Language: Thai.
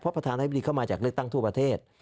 ประธานาธิบดีเข้ามาจากเลือกตั้งทั่วประเทศ